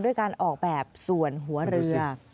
ด้วยการออกแบบส่วนหัวเรือ